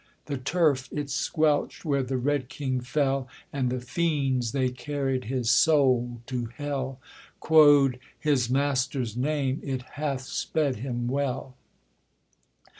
The turf it squelched where the Red King fell; And the fiends they carried his soul to hell, Quod 'His master's name it hath sped him well.'